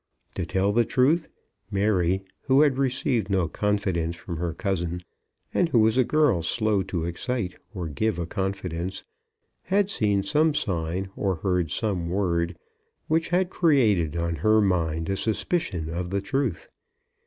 To tell the truth, Mary, who had received no confidence from her cousin, and who was a girl slow to excite or give a confidence, had seen some sign, or heard some word which had created on her mind a suspicion of the truth.